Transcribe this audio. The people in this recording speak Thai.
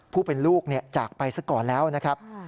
ผู้เป็นลูกจากไปซะก่อนแล้วนะครับ